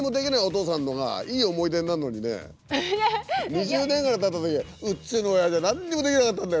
２０年ぐらいたったときうちのおやじは何にもできなかったんだ